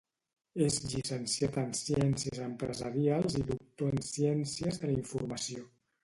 És llicenciat en ciències empresarials i doctor en ciències de la informació.